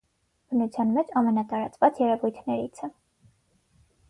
Բնության մեջ ամենատարածված երևույթներից է։